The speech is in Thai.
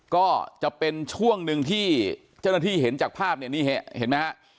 ก็จะเป็นช่วงหนึ่งที่เจ้าหน้าที่เห็นจากภาพเนี่ยนี่เห็นไหมฮะ